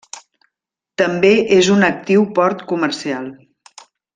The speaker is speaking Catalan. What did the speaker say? També és un actiu port comercial.